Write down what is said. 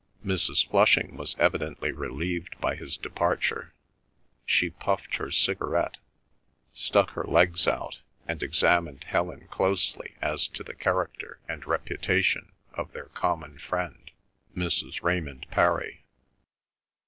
Mrs. Flushing was evidently relieved by his departure. She puffed her cigarette, stuck her legs out, and examined Helen closely as to the character and reputation of their common friend Mrs. Raymond Parry.